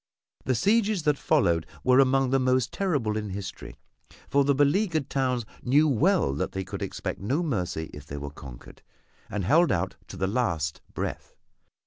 The sieges that followed were among the most terrible in history for the beleaguered towns knew well they could expect no mercy if they were conquered, and held out to the last breath.